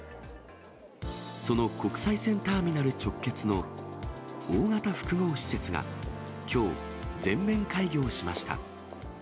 その国際線ターミナル直結の大型複合施設が、きょう、全面開業しました。